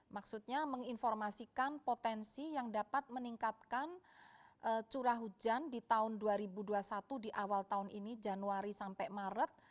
maksudnya menginformasikan potensi yang dapat meningkatkan curah hujan di tahun dua ribu dua puluh satu di awal tahun ini januari sampai maret